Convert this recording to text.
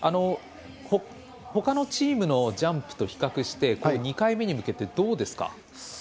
ほかのチームのジャンプと比較して２回目に向けてどうですか？